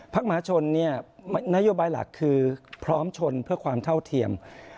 มหาชนเนี่ยนโยบายหลักคือพร้อมชนเพื่อความเท่าเทียม